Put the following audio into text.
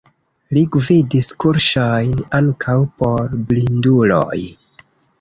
Li gvidis kursojn, ankaŭ por blinduloj.